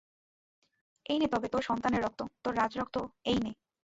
এই নে তবে তোর সন্তানের রক্ত, তোর রাজরক্ত এই নে।